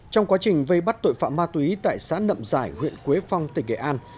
trong quá trình vây bắt tội phạm ma túy tại xã nậm giải huyện quế phong tỉnh nghệ an